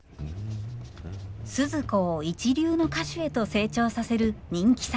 スズ子を一流の歌手へと成長させる人気作曲家羽鳥善一。